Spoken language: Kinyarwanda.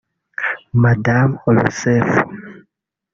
Madamu Rousseff